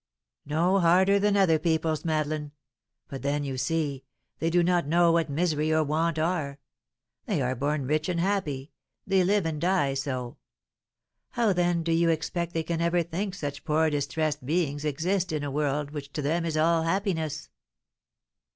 "Not harder than other people's, Madeleine; but then, you see, they do not know what misery or want are. They are born rich and happy, they live and die so. How, then, do you expect they can ever think such poor distressed beings exist in a world which to them is all happiness?